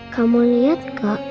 kamu lihat gak